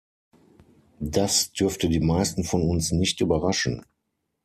Das dürfte die meisten von uns nicht überraschen.